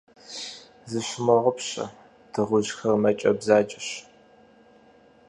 Зыщумыгъэгъупщэ, дыгъужьхэр мэкӀэ бзаджэщ.